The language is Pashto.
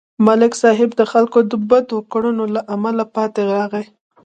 ملک صاحب د خلکو د بدو کړنو له امله پاتې راغی.